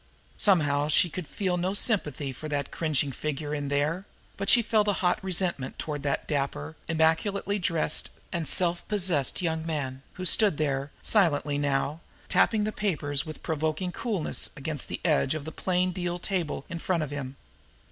Somehow she could feel no sympathy for that cringing figure in there; but she felt a hot resentment toward that dapper, immaculately dressed and self possessed young man, who stood there, silently now, tapping the papers with provoking coolness against the edge of the plain deal table in front of him.